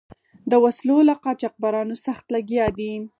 د وسلو له قاچبرانو سخت لګیا دي.